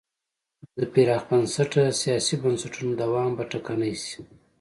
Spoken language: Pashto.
د پراخ بنسټه سیاسي بنسټونو دوام به ټکنی شي.